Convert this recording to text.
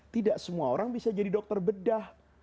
tidak semua orang bisa jadi dokter bedah